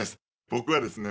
僕はですね